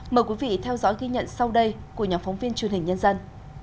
mời quý vị theo dõi ghi nhận sau đây của nhóm phóng viên truyền hình nhân dân